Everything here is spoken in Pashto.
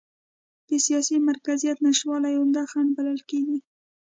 د سیاسي مرکزیت نشتوالی عمده خنډ بلل کېږي.